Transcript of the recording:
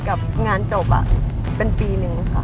กับงานจบเป็นปีหนึ่งค่ะ